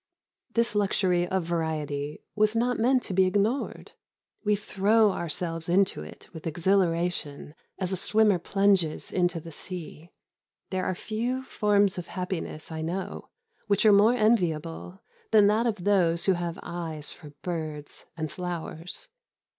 This luxury of variety was not meant to be ignored. We throw ourselves into it with exhilaration as a swimmer plunges into the sea. There are few forms of happiness I know which are more enviable than that of those who have eyes for birds and flowers.